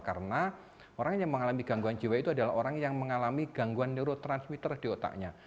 karena orang yang mengalami gangguan jiwa itu adalah orang yang mengalami gangguan neurotransmitter di otaknya